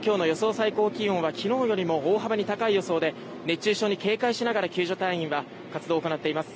最高気温は昨日より大幅に高い予想で熱中症に警戒しながら救助隊員は活動を行っています。